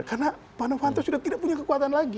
karena pak anofanto sudah tidak punya kekuatan lagi